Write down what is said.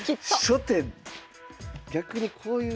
初手逆にこういう。